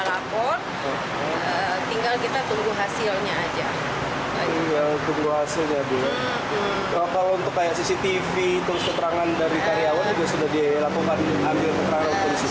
kalau untuk kayak cctv terus keterangan dari karyawan juga sudah dilakukan ambil keterangan polisi